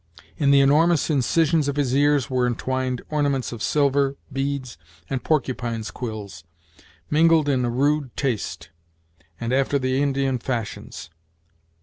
In the enormous incisions of his ears were entwined ornaments of silver, beads, and porcupine's quills, mingled in a rude taste, and after the Indian fashions.